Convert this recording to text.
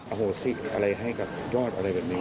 โหสิกอะไรให้กับยอดอะไรแบบนี้